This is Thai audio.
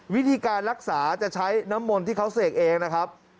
วิธีการรักษาจะใช้น้ำมนต์ที่เขาเสกเองนะครับ